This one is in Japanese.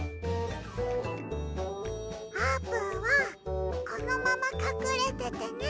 あーぷんはこのままかくれててね。